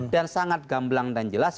dan sangat gamblang dan jelas